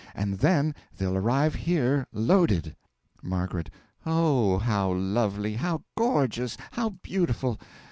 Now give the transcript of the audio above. and then they'll arrive here loaded. M. Oh, how lovely, how gorgeous, how beautiful!